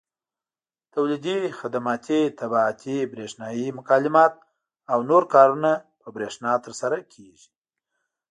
تولیدي، خدماتي، طباعتي، برېښنایي مکالمات او نور کارونه په برېښنا ترسره کېږي.